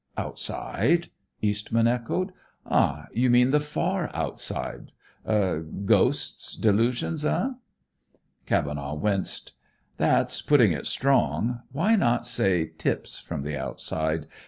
"Outside?" Eastman echoed. "Ah, you mean the far outside! Ghosts, delusions, eh?" Cavenaugh winced. "That's putting it strong. Why not say tips from the outside?